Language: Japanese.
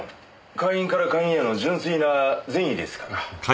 会員から会員への純粋な善意ですから。